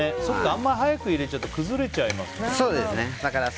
あんまり早く入れちゃうと崩れちゃいますからね。